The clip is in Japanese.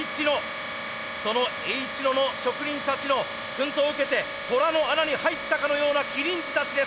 そのＨ野の職人たちの薫陶を受けて虎の穴に入ったかのようなきりん児たちです。